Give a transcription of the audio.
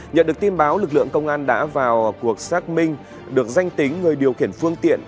nhận được tin báo lực lượng công an đã vào cuộc xác minh được danh tính người điều khiển phương tiện